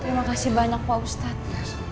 terima kasih banyak pak ustadz